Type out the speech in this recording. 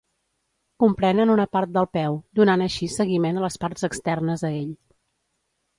Comprenen una part del peu, donant així seguiment a les parts externes a ell.